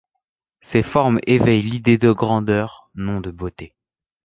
Ces formes éveillent l’idée de grandeur, non de beauté.